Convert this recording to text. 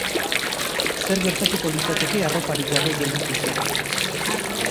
Zer gertatuko litzateke arroparik gabe geldituz gero?